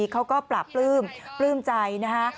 เขาก็ปราบปลื้มปลื้มใจนะคะ